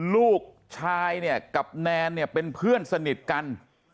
ลูกชายเนี่ยกับแนนเนี่ยเป็นเพื่อนสนิทกัน